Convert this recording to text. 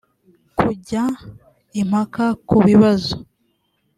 kujya impaka ku kibazo